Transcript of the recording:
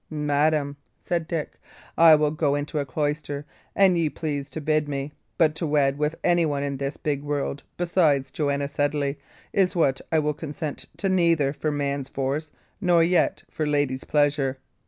"Madam," said Dick, "I will go into a cloister, an ye please to bid me; but to wed with anyone in this big world besides Joanna Sedley is what I will consent to neither for man's force nor yet for lady's pleasure.